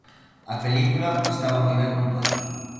A película estaba moi ben montada.